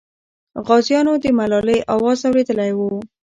غازیانو د ملالۍ اواز اورېدلی وو.